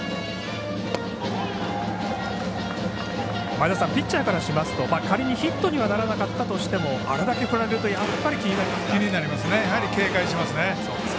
前田さんピッチャーからしますと仮にヒットにはならなかったとしてもあれだけ振られるとやっぱり気になりますか。